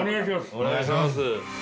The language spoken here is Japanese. お願いします。